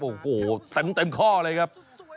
โอ้โหเต็มข้อเลยครับ